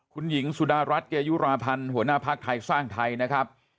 คุณหญิงสุดารัฐเกยุราพันธ์หัวหน้าภักดิ์ไทยสร้างไทยนะครับ